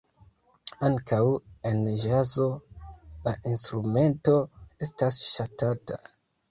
Ankaŭ en ĵazo la instrumento estas ŝatata.